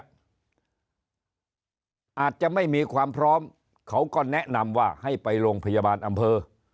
อาจจะไม่มีความพร้อมเขาก็แนะนำว่าให้ไปโรงพยาบาลอำเภอ